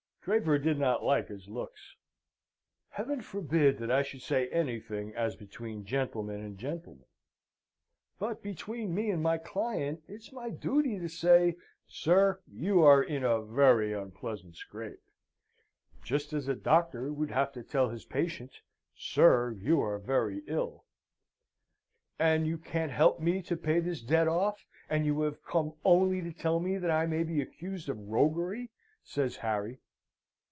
Draper did not like his looks. "Heaven forbid that I should say anything as between gentleman and gentleman, but between me and my client, it's my duty to say, 'Sir, you are in a very unpleasant scrape,' just as a doctor would have to tell his patient, 'Sir, you are very ill.'" "And you can't help me to pay this debt off, and you have come only to tell me that I may be accused of roguery?" says Harry.